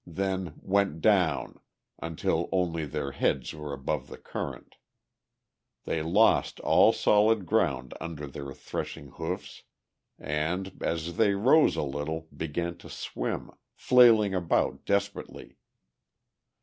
Then went down, until only their heads were above the current. They lost all solid ground under their threshing hoofs and, as they rose a little, began to swim, flailing about desperately.